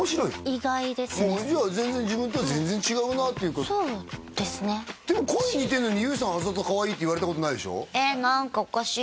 じゃ自分とは全然違うなっていうかそうですねでも声似てるのにＹＯＵさんあざとかわいいって言われたことないでしょえっ何かおかしい